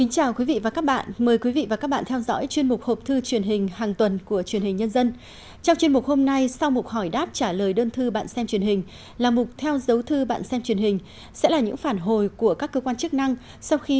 chào mừng quý vị đến với bộ phim hãy nhớ like share và đăng ký kênh của chúng mình nhé